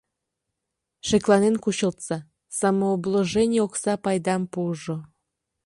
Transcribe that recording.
ШЕКЛАНЕН КУЧЫЛТСА, САМООБЛОЖЕНИЙ ОКСА ПАЙДАМ ПУЫЖО